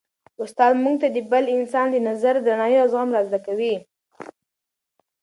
استاد موږ ته د بل انسان د نظر درناوی او زغم را زده کوي.